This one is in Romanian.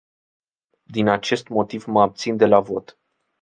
Din acest motiv mă abțin de la vot.